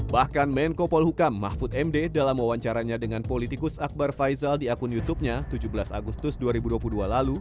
bahkan menko polhukam mahfud md dalam wawancaranya dengan politikus akbar faisal di akun youtubenya tujuh belas agustus dua ribu dua puluh dua lalu